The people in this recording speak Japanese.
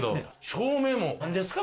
照明もなんですか？